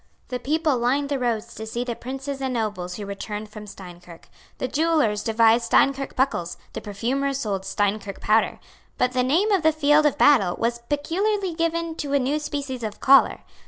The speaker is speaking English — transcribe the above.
The people lined the roads to see the princes and nobles who returned from Steinkirk. The jewellers devised Steinkirk buckles; the perfumers sold Steinkirk powder. But the name of the field of battle was peculiarly given to a new species of collar.